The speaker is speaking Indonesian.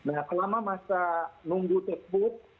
nah selama masa nunggu tekbook